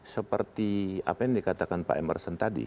seperti apa yang dikatakan pak emerson tadi